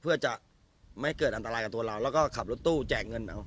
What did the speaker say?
เพื่อจะไม่เกิดอันตรายกับตัวเราแล้วก็ขับรถตู้แจกเงินเอา